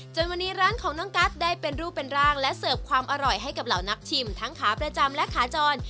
จนวันนี้ร้านของน้องกัสได้เป็นรูปเป็นร่างและเสิร์ฟความอร่อยให้กับเหล่านักชิมทั้งขาประจำและขาจร